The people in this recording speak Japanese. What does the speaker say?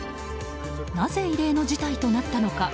なぜ異例の事態となったのか。